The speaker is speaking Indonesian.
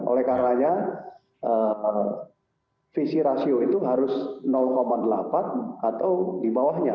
oleh karenanya visi rasio itu harus delapan atau di bawahnya